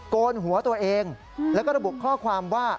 โกนหัวตัวเองแล้วก็ระบุข้อความว่า